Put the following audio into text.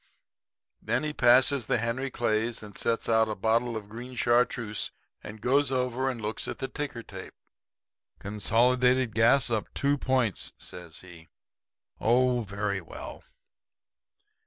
Then he passes the Henry Clays and sets out a bottle of green chartreuse, and goes over and looks at the ticker tape. "'Consolidated Gas up two points,' says he. 'Oh, very well.'